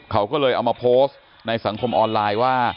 เขาก็เลยเอามาโพสต์ในสังคมออนไลน์ว่า